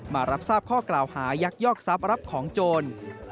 มารับทราบข้อกล่าวหายักยอกทรัพย์รับของโจร